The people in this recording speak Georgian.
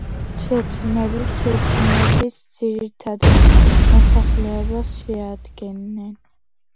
ჩეჩნები ჩეჩნეთის ძირითად მოსახლეობას შეადგენენ.